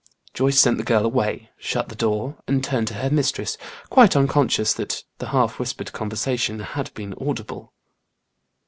Joyce sent the girl away, shut the door, and turned to her mistress, quite unconscious that the half whispered conversation had been audible.